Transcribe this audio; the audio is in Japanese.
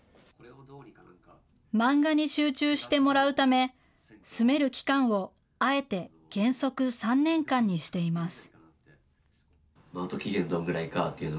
漫画に集中してもらうため、住める期間をあえて原則３年間にしています。